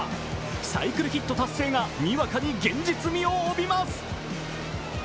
サイクルヒット達成がにわかに現実味を帯びます。